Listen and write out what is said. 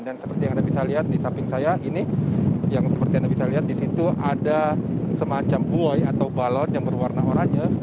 dan seperti yang anda bisa lihat di samping saya ini yang seperti yang anda bisa lihat di situ ada semacam buoy atau balon yang berwarna oranye